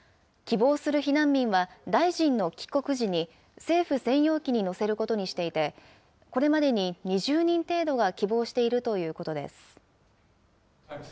希望する避難民は、大臣の帰国時に政府専用機に乗せることにしていて、これまでに２０人程度が希望しているということです。